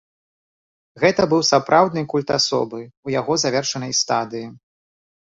Гэта быў сапраўдны культ асобы, у яго завершанай стадыі.